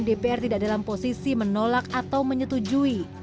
dpr tidak dalam posisi menolak atau menyetujui